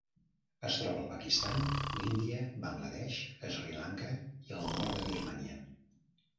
Es troba al Pakistan, l'Índia, Bangladesh, Sri Lanka i el nord de Birmània.